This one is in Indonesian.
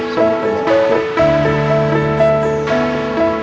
sangat tajam di hatiku